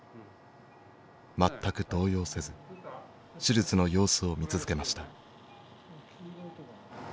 全く動揺せず手術の様子を見続けました。